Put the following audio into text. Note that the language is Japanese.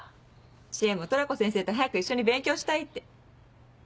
知恵もトラコ先生と早く一緒に勉強したいって。